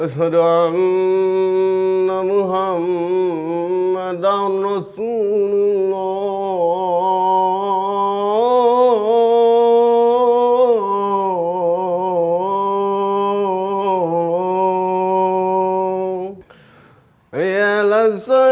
as'hadu an la ilaha ill'alllesia